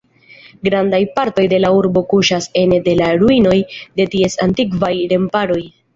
Grandaj partoj de la urbo kuŝas ene de la ruinoj de ties antikvaj remparoj.